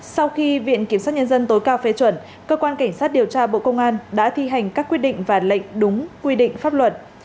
sau khi viện kiểm sát nhân dân tối cao phê chuẩn cơ quan cảnh sát điều tra bộ công an đã thi hành các quyết định và lệnh đúng quy định pháp luật